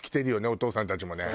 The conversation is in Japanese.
お父さんたちもね。